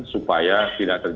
supaya tidak terjadi